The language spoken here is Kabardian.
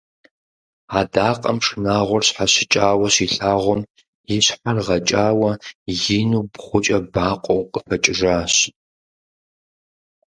Адакъэм шынагъуэр щхьэщыкӀауэ щилъагъум, и щхьэр гъэкӀауэ, ину бгъукӀэ бакъуэу къыхэкӀыжащ.